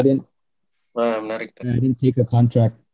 gue gak ambil kontrak